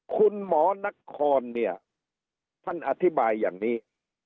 คุณหมอนครเนี่ยท่านอธิบายอย่างนี้